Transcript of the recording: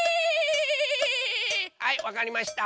はいわかりました！